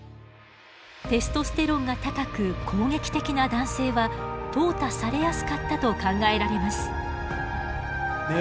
テストステロンが高く攻撃的な男性は淘汰されやすかったと考えられます。